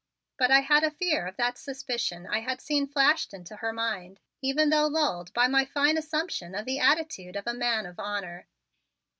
But I had a fear of that suspicion I had seen flashed into her mind even though lulled by my fine assumption of the attitude of a man of honor.